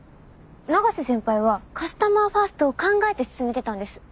永瀬先輩はカスタマーファーストを考えて勧めてたんです。